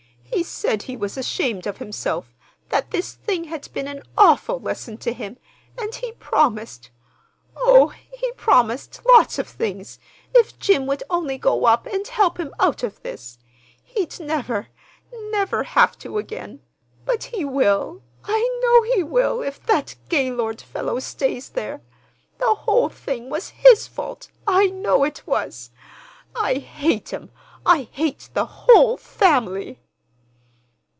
"He said he was ashamed of himself; that this thing had been an awful lesson to him, and he promised—oh, he promised lots of things, if Jim would only go up and help him out of this. He'd never, never have to again. But he will, I know he will, if that Gaylord fellow stays there. The whole thing was his fault—I know it was. I hate him! I hate the whole family!"